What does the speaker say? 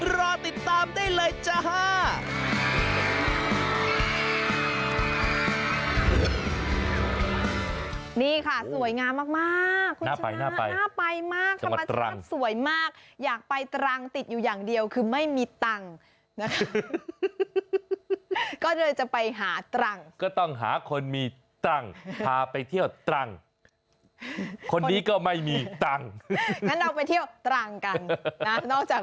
รอติดตามได้เลยจ้า